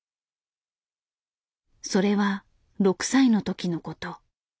それは６歳の時のこと。